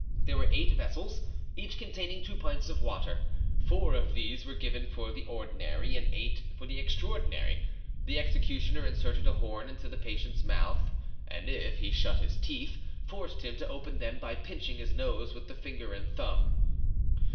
There were eight vessels, each containing 2 pints of water. Four of these were given for the ordinary, and eight for the extraordinary. The executioner inserted a horn into the patient's mouth, and if he shut his teeth, forced him to open them by pinching his nose with the finger and thumb.